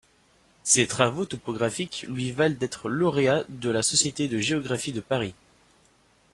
Ses travaux topographiques lui valent d'être lauréat de la Société de géographie de Paris.